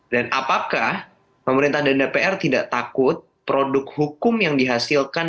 dan apakah pemerintah dan dpr tidak takut produk hukum yang dihasilkan